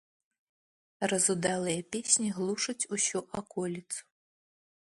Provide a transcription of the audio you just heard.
Разудалыя песні глушаць усю аколіцу.